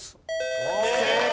正解！